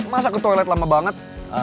masa ke toilet lama banget